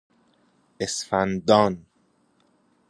اسفندان